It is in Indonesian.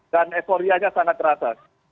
dan euforianya sangat terasa